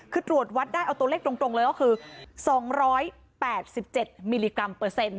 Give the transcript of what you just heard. คือตรวจวัดได้เอาตัวเลขตรงเลยก็คือ๒๘๗มิลลิกรัมเปอร์เซ็นต์